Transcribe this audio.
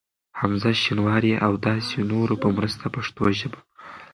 حمزه شینواري ا و داسی نورو په مرسته پښتو ژبه